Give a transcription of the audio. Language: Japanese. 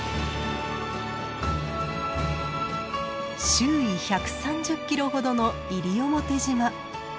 周囲１３０キロほどの西表島。